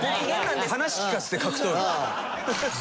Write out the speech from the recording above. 話聞かせて格闘技の。